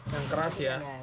yang keras ya